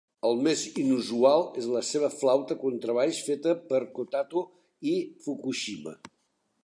El més inusual és la seva flauta contrabaix feta per Kotato i Fukushima.